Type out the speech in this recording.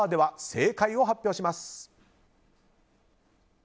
正解を発表します。